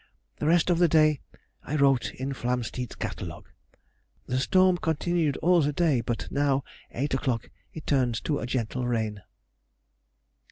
The rest of the day I wrote in Flamsteed's Catalogue. The storm continued all the day, but now, 8 o'clock, it turns to a gentle rain.